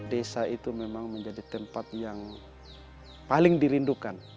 desa itu memang menjadi tempat yang paling dirindukan